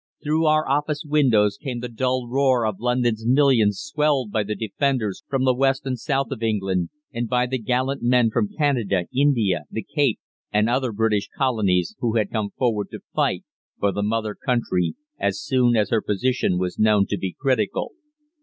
Through our office windows came the dull roar of London's millions swelled by the 'Defenders' from the west and south of England, and by the gallant men from Canada, India, the Cape, and other British colonies who had come forward to fight for the Mother Country as soon as her position was known to be critical.